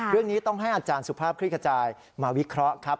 เรื่องนี้ต้องให้อาจารย์สุภาพคลิกขจายมาวิเคราะห์ครับ